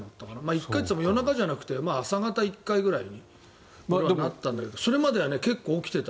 １回っていっても夜中じゃなくて朝方に１回ぐらいになったんだけどそれまでは結構起きてた。